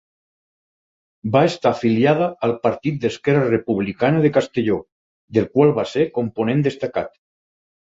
Va estar afiliada al Partit d’Esquerra Republicana de Castelló del qual va ser component destacat.